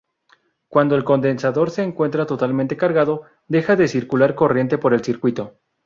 Cuando el condensador se encuentra totalmente cargado, deja de circular corriente por el circuito.